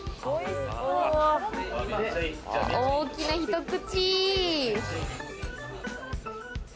大きな一口。